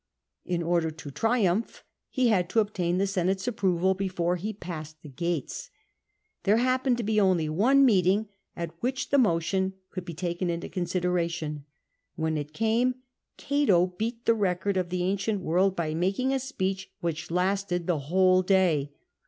In order to triumph he had to obtain the Senate's approval before he passed the gates. There happened to be only one meeting at which the motion could be taken into consideration. When it came, Cato beat the record of the ancient world by making a speech which lasted the whole day.